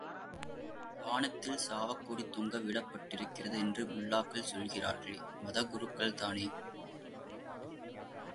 வானத்தில் சாவுக்கொடி தொங்க விடப் பட்டிருக்கிறது என்று முல்லாக்கள் சொல்கிறார்களே? மதக்குருக்கள்தானே!